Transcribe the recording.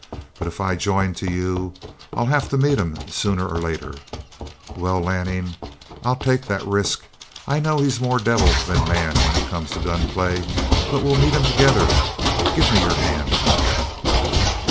But if I join to you, I'll have to meet him sooner or later. Well, Lanning, I'll take that risk. I know he's more devil than man when it comes to gun play, but we'll meet him together. Give me your hand!"